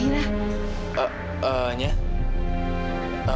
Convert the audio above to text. terus letak tempat necessary